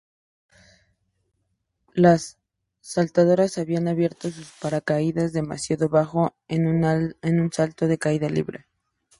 Las saltadoras habían abierto sus paracaídas demasiado bajo en un salto de caída libre.